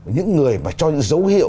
những người mà cho những dấu hiệu